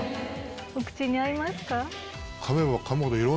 お口に合いますか？